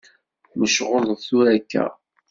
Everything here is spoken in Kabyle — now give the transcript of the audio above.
Mecɣuleḍ tura akka?